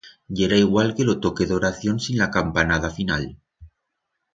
Yera igual que lo toque d'oración sin la campanada final.